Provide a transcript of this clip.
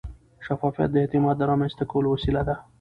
شفافیت د اعتماد رامنځته کولو وسیله ده.